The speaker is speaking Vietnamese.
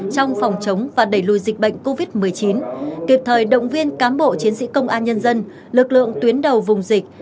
trong phòng chống và đẩy lùi dịch bệnh covid một mươi chín kịp thời động viên cán bộ chiến sĩ công an nhân dân lực lượng tuyến đầu vùng dịch